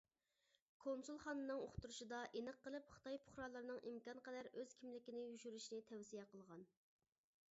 كونسۇلخانىنىڭ ئۇقتۇرۇشىدا ئېنىق قىلىپ خىتاي پۇقرالىرىنىڭ ئىمكانقەدەر ئۆز كىملىكىنى يوشۇرۇشنى تەۋسىيە قىلغان.